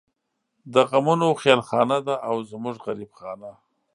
د غمونو خېلخانه ده او زمونږ غريب خانه